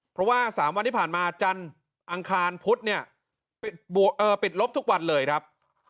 เพราะว่า๓วันที่ผ่านมาจันทร์อังคารพุธเนี่ยปิดลบทุกวันเลยครับ